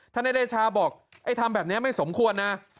นายเดชาบอกไอ้ทำแบบนี้ไม่สมควรนะ